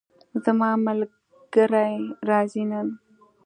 زما ملګری راځي نن